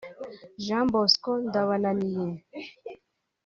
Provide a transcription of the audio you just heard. Jean Bosco Ndabananiye